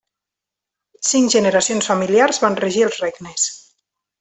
Cinc generacions familiars van regir els regnes.